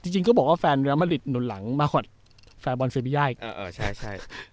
จริงก็บอกว่าแฟนเรียลมัดริตหนุนหลังมากว่าแฟนบอลเสียบิญญาณอีก